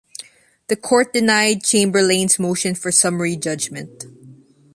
The court denied Chamberlain's motion for summary judgment.